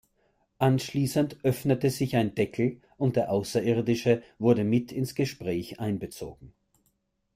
Anschließend öffnete sich ein Deckel, und der Außerirdische wurde mit ins Gespräch einbezogen.